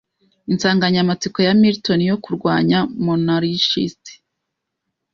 Insanganyamatsiko ya Milton yo kurwanya monarchist